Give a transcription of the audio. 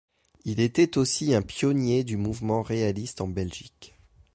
Il était aussi un pionnier du mouvement réaliste en Belgique.